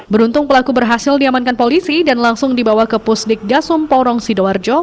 beruntung pelaku berhasil diamankan polisi dan langsung dibawa ke pusdik dasum porong sidoarjo